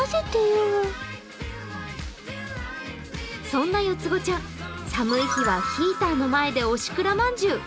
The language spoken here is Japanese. そんな四つ子ちゃん、寒い日はヒーターの前に押しくらまんじゅう。